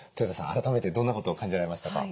改めてどんなことを感じられましたか？